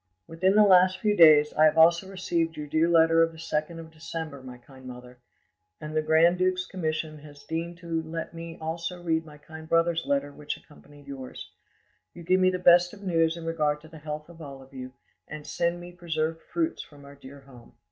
"Within the last few days I have also received your dear letter of the 2nd of December, my kind mother, and the grind duke's commission has deigned to let me also read my kind brother's letter which accompanied yours. You give me the best of news in regard to the health of all of you, and send me preserved fruits from our dear home.